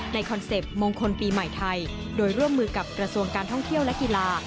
คอนเซ็ปต์มงคลปีใหม่ไทยโดยร่วมมือกับกระทรวงการท่องเที่ยวและกีฬา